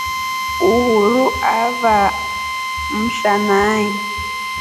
Uhuru avamsha nai.